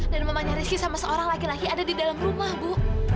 dan mamanya rizky sama seorang laki laki ada di dalam rumah bu